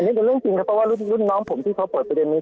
อันนี้เป็นเรื่องจริงเพราะว่ารุ่นน้องผมที่เปิดประแบนนี้